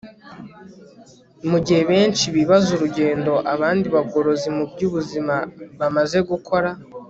mu gihe benshi bibaza urugendo abandi bagorozi mu by'ubuzima bamaze gukora